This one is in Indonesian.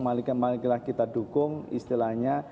marilah kita dukung istilahnya